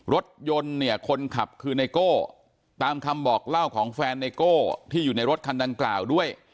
รถยนต์เนี่ยคนขับคือไนโก้ตามคำบอกเล่าของแฟนไนโก้ที่อยู่ในรถคันดังกล่าวด้วย